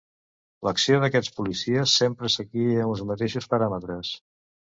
L'acció d'aquests policies sempre seguia uns mateixos paràmetres.